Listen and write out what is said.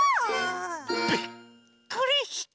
びっくりした。